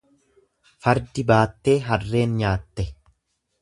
Fardi baattee harreen nyaatte.